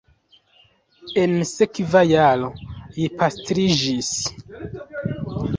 En la sekva jaro ji pastriĝis.